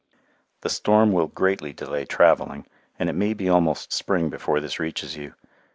The storm will greatly delay travelling and it may be almost spring before this reaches you.